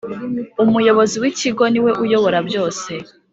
Umuyobozi w Ikigo ni we uyobora byose